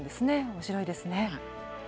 面白いですね。